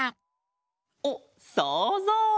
おっそうぞう！